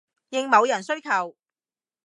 應某人需求